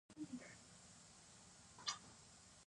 آیا د ایران خرما ډیره خوږه نه ده؟